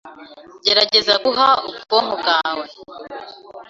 Gerageza guha ubwonko bwawe